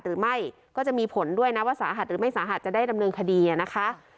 หรือไม่ก็จะมีผลด้วยนะว่าสาหัสหรือไม่สาหัสจะได้ดำเนินคดีนะคะ